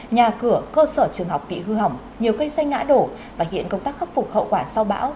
nhà cửa cơ sở trường học bị hư hỏng nhiều cây xanh ngã đổ và hiện công tác khắc phục hậu quả sau bão